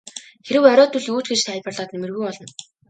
Хэрэв оройтвол юу ч гэж тайлбарлаад нэмэргүй болно.